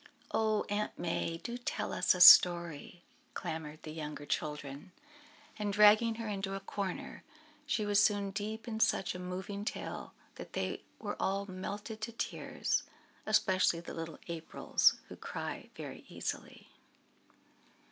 "Oh, Aunt May! do tell us a story," clamoured the younger children, and dragging her into a corner she was soon deep in such a moving tale that they were all melted to tears, especially the little Aprils, who cry very easily.